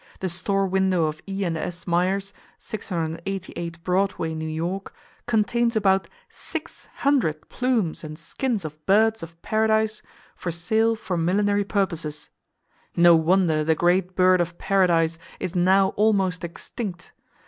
The store window of E. &. S. Meyers, 688 Broadway, New York, contains about six hundred plumes and skins of birds of paradise for sale for millinery purposes. No wonder the great bird of paradise is now almost extinct!